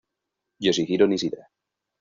Yoshihiro Nishida